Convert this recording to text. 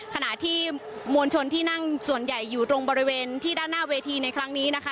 ขณะที่มวลชนที่นั่งส่วนใหญ่อยู่ตรงบริเวณที่ด้านหน้าเวทีในครั้งนี้นะคะ